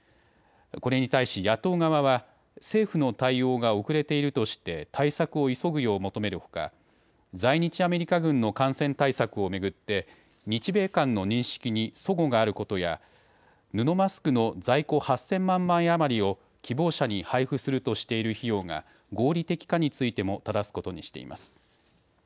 これに対し野党側は政府の対応が遅れているとして対策を急ぐよう求めるほか在日アメリカ軍の感染対策を巡って日米間の認識にそごがあることや布マスクの在庫８０００万枚余りを希望者に配布するとしている費用が合理的かについてもただすことにしています。